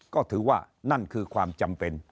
ก็ถือว่านั่นคือความจำเป็น